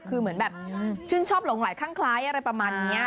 คือเหมือนแบบชื่นชอบหลงไหลข้างคล้ายอะไรประมาณนี้